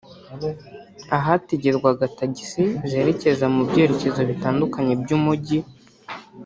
ahategerwaga tagisi zerekeza mu byerekezo bitandukanye by’umujyi